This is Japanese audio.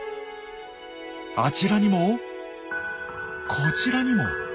あちらにもこちらにも。